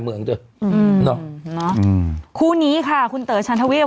เมืองด้วยอืมเนอะเนอะอืมคู่นี้ค่ะคุณเต๋อชันทวีป